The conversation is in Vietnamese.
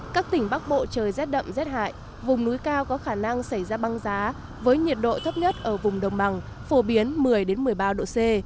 các tỉnh bắc bộ trời rét đậm rét hại vùng núi cao có khả năng xảy ra băng giá với nhiệt độ thấp nhất ở vùng đồng bằng phổ biến một mươi một mươi ba độ c